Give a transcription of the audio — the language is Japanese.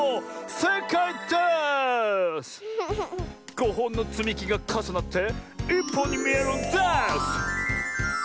５ほんのつみきがかさなって１ぽんにみえるんです！